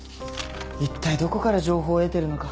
一体どこから情報を得てるのか。